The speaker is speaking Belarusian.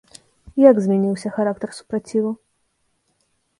Як змяніўся характар супраціву?